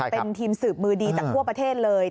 เป็นทีมสืบมือดีจากทั่วประเทศเลย